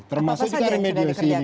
termasuk juga remediasi lingkungan